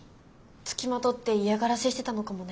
付きまとって嫌がらせしてたのかもね。